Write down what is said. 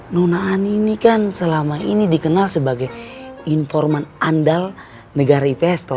nona ani ini kan selama ini dikenal sebagai informan andal negara ips toh